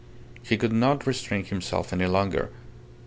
He could not restrain himself any longer.